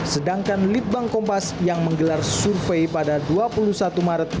sedangkan litbang kompas yang menggelar survei pada dua puluh satu maret